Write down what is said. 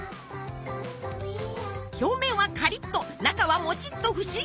表面はカリッと中はモチッと不思議な食感！